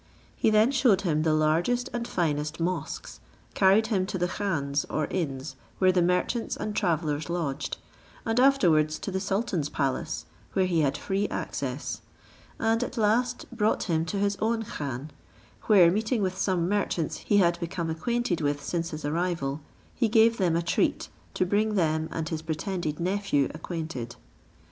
He then shewed him the largest and finest mosques, carried him to the khans or inns where the merchants and travellers lodged, and afterwards to the sultan's palace, where he had free access; and at last brought him to his own khan, where meeting with some merchants he had become acquainted with since his arrival, he gave them a treat, to bring them and his pretended nephew acquainted.